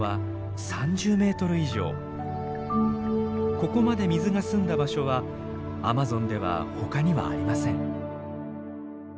ここまで水が澄んだ場所はアマゾンではほかにはありません。